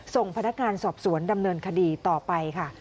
ส่งพนักงานสอบสวนดำเนินคดีต่อไปค่ะ